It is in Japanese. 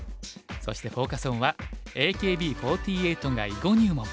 そしてフォーカス・オンは「ＡＫＢ４８が囲碁入門！